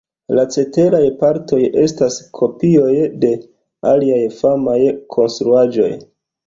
La ceteraj partoj estas kopioj de aliaj famaj konstruaĵoj.